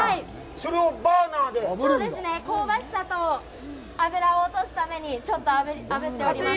そうですね、香ばしさと油を落とすために、ちょっとあぶっております。